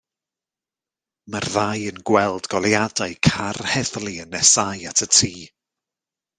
Mae'r ddau yn gweld goleuadau car heddlu yn nesáu at y tŷ.